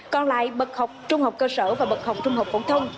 còn lại bậc học trung học cơ sở và bậc học trung học phổ thông